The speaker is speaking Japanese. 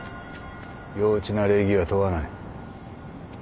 幼稚な礼儀は問わない。